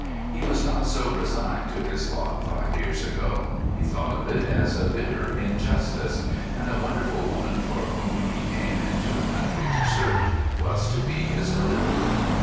He was not so resigned to his lot five years ago; he thought of it as a bitter injustice; and the wonderful woman for whom he came into the country to search was to be his deliverer.